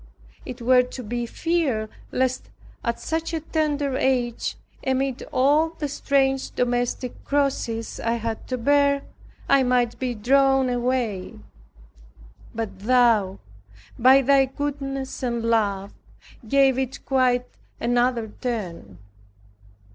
It were to be feared lest at such a tender age, amid all the strange domestic crosses I had to bear, I might be drawn away. But Thou, by Thy goodness and love, gave it quite another turn.